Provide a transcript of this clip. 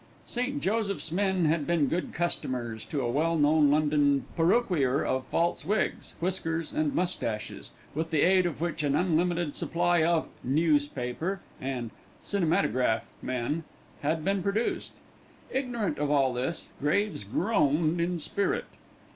St. Joseph's men had been good customers to a well known London perruquier for false wigs, whiskers, and moustaches, with the aid of which an unlimited supply of "newspaper" and "cinematograph men" had been produced. Ignorant of all this, Graves groaned in spirit.